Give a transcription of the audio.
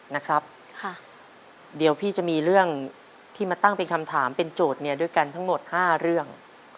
นะครับค่ะเดี๋ยวพี่จะมีเรื่องที่มาตั้งเป็นคำถามเป็นโจทย์เนี่ยด้วยกันทั้งหมด๕เรื่อง